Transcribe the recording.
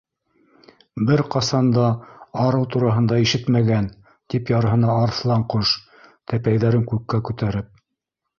—Бер ҡасан да арыу тураһында ишетмәгән! —тип ярһыны Арыҫланҡош, тәпәйҙәрен күккә күтәреп.